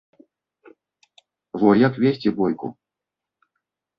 Во як весці бойку!